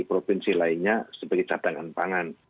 provinsi lainnya sebagai cadangan pangan